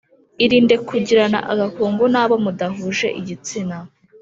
Irinde kugirana agakungu n abo mudahuje igitsina